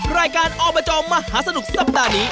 รายการอบจมหาสนุกสัปดาห์นี้